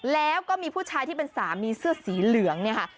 แล้วก็มีผู้ชายที่เป็นสามีเสื้อสีเหลืองเนี่ยค่ะ